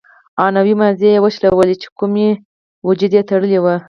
عنعنوي مزي يې وشلول چې قومي وجود يې تړلی و.